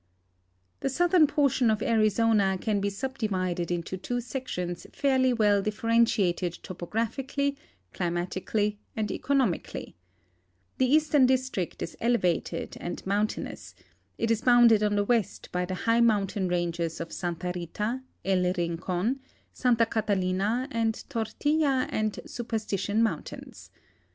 The southern portion of Arizona can be subdivided into two sections fairly well differentiated topographically, climatically, and economicall3^ The eastern district is elevated and moun tainous ; it is bounded on the west by the high mountain ranges of Santa Rita, El Rincon, Santa Catalina, and Tortilla and Super stition mountains.